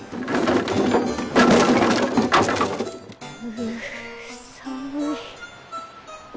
うぅ寒い。